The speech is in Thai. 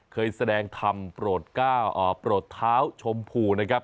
เคยแสดงทำโปรดเท้าชมพูนะครับ